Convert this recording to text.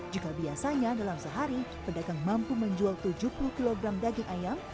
jika biasanya dalam sehari pedagang mampu menjual tujuh puluh kg daging ayam